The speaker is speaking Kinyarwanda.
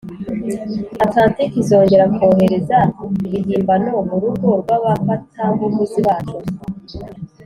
atlantike izongera kohereza ibihimbano murugo rwabafatabuguzi bacu,